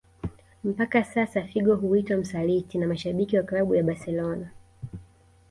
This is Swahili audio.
Mpaka sasa Figo huitwa msaliti na mashabiki waklabu ya Barcelona